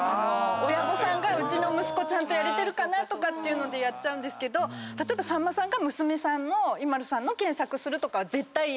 親御さんがうちの息子ちゃんとやれてるかなというのでやっちゃうんですけど例えばさんまさんが娘さんのＩＭＡＬＵさんの検索するとかは。